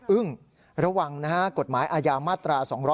ระวังนะฮะกฎหมายอาญามาตรา๒๗